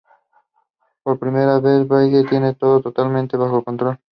Por primera vez, Bridget tiene todo totalmente bajo control.